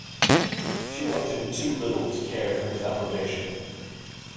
She liked him too little to care for his approbation.